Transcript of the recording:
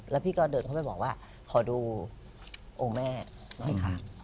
แล้วพี่ก็เดินเข้าไปบอกว่าขอดูองค์แม่หน่อยค่ะ